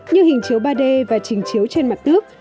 như hình chiếu ba d và trình chiếu trên mặt tước